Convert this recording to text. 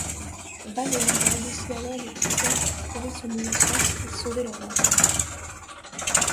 Valeria décide alors de tout faire pour prouver son innocence et sauver leur mariage.